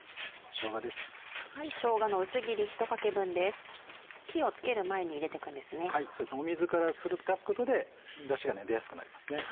そうですね水から出すことでダシが出やすくなりますね。